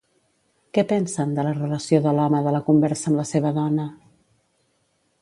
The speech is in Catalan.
Què pensen, de la relació de l'home de la conversa amb la seva dona?